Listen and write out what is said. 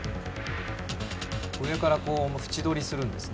上からこう縁取りするんですね。